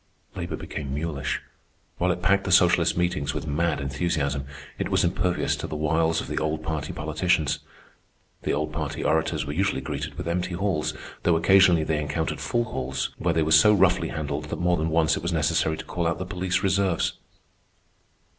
Labor became mulish. While it packed the socialist meetings with mad enthusiasm, it was impervious to the wiles of the old party politicians. The old party orators were usually greeted with empty halls, though occasionally they encountered full halls where they were so roughly handled that more than once it was necessary to call out the police reserves.